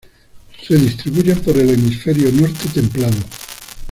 Se distribuyen por el hemisferio norte templado.